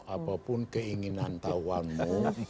apapun keinginan tahuanmu